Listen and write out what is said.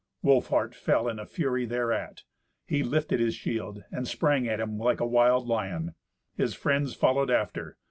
Wolfhart fell in a fury thereat. He lifted his shield and sprang at him like a wild lion. His friends followed after.